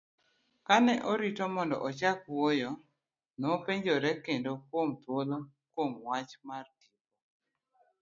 Kane orito mondo ochak wuoyo, nopenjore kendo kuom thuolo kuom mwach mar tipo.